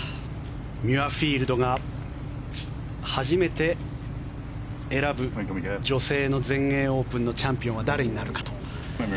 ミュアフィールドが初めて選ぶ女性の全英オープンのチャンピオンは誰になるかと。